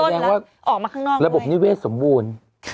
ออกมาข้างนอกด้วยแสดงว่าระบบนิเวศสมบูรณ์